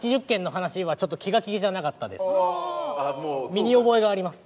身に覚えがあります。